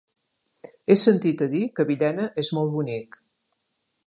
He sentit a dir que Villena és molt bonic.